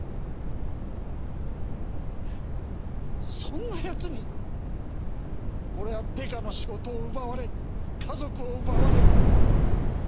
そんな奴に俺はデカの仕事を奪われ家族を奪われ。